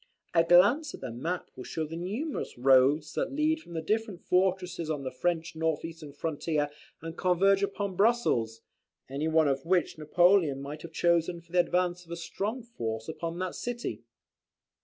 A glance at the map will show the numerous roads that lead from the different fortresses on the French north eastern frontier, and converge upon Brussels; any one of which Napoleon might have chosen for the advance of a strong force upon that city.